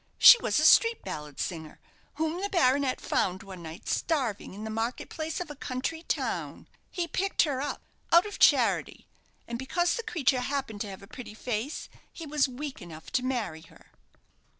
She was a street ballad singer, whom the baronet found one night starving in the market place of a country town. He picked her up out of charity; and because the creature happened to have a pretty face, he was weak enough to marry her."